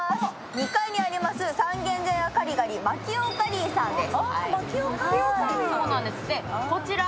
２階にあります、三軒茶屋カリガリマキオカリーさんです。